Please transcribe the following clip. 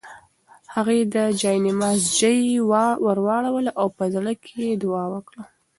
هغې د جاینماز ژۍ ورواړوله او په زړه کې یې دعا وکړه.